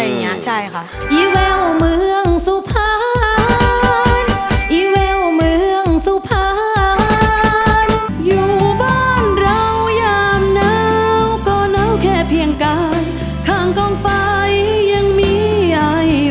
อะไรอย่างเงี้ยใช่ค่ะ